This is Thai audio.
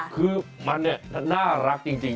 คือมันน่ารักจริง